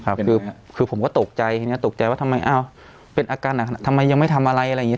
คือคือผมก็ตกใจทีนี้ตกใจว่าทำไมอ้าวเป็นอาการหนักทำไมยังไม่ทำอะไรอะไรอย่างนี้